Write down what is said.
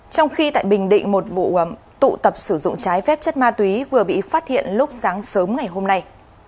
trong khi tại bình định một vụ tụ tập sử dụng trái phép chất ma túy vừa bị phát hiện lúc sáng sớm ngày hôm nay